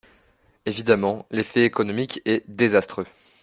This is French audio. Évidemment, l’effet économique est désastreux